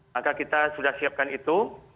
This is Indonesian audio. maka kita sudah siapkan itu